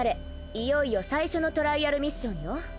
いよいよ最初のトライアルミッションよ。